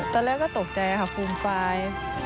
ตอนแรกก็ตกใจค่ะฟูมฟาย